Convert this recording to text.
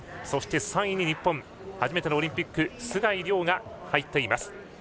そして３位に日本初めてのオリンピック須貝龍が入っています。